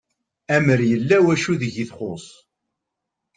Amer yella wacu deg i txuss